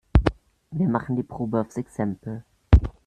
Wir machen die Probe aufs Exempel.